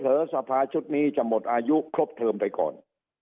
สภาชุดนี้จะหมดอายุครบเทิมไปก่อน